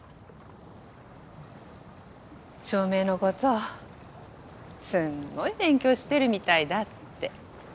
照明のことすんごい勉強してるみたいだって。